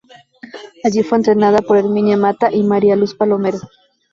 Allí fue entrenada por Herminia Mata y María Luz Palomero.